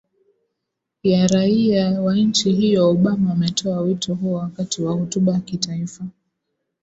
ya raia wa nchi hiyo obama ametoa wito huo wakati wa hotuba ya kitaifa